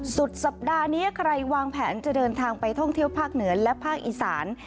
สุดสัปดาห์นี้ใครวางแผนจะเดินทางไปท่องเที่ยวภาคเหนือและภาคอีสาน